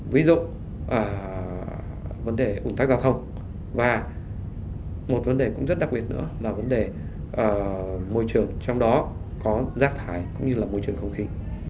ví dụ vấn đề ủng tác giao thông và một vấn đề cũng rất đặc biệt nữa là vấn đề môi trường trong đó có rác thải cũng như là môi trường không khí